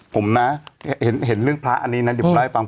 ผมนะเห็นเรื่องพระอันนี้นะเดี๋ยวผมเล่าให้ฟัง